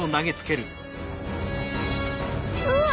うわ！